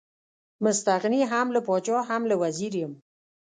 مستغني هم له پاچا هم له وزیر یم.